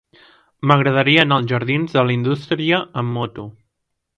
M'agradaria anar als jardins de la Indústria amb moto.